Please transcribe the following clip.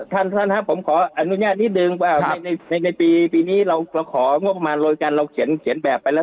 ท่านท่านครับผมขออนุญาตนิดนึงว่าในปีนี้เราของงบประมาณโดยการเราเขียนแบบไปแล้ว